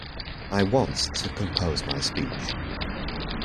I want to compose my speech.